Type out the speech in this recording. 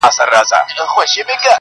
خو دايوه پوښتنه دا کوم چي ولي ريشا ,